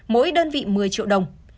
mỗi đơn vị một mươi triệu đồng